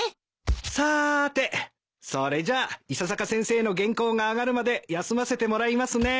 さてそれじゃ伊佐坂先生の原稿が上がるまで休ませてもらいますね。